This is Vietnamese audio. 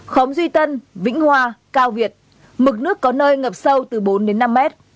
khóm duy tân vĩnh hòa cao việt mực nước có nơi ngập sâu từ bốn năm m